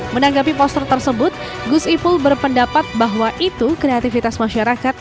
menanggapi poster tersebut gus ipul berpendapat bahwa itu kreativitas masyarakat